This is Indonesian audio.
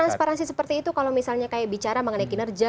transparansi seperti itu kalau misalnya kayak bicara mengenai kinerja